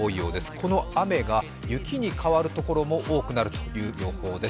この雨が雪に変わるところも多くなるという予報です。